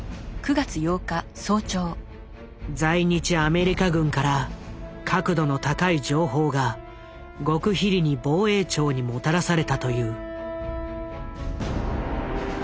在日アメリカ軍から確度の高い情報が極秘裏に防衛庁にもたらされたという。